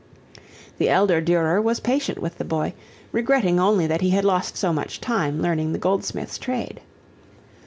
The elder Durer was patient with the boy, regretting only that he had lost so much time learning the goldsmith's trade.